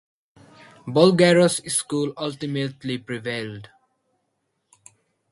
Bulgarus' school ultimately prevailed.